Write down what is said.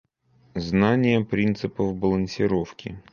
Знание принципов балансировки